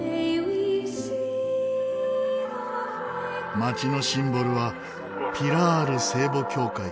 町のシンボルはピラール聖母教会。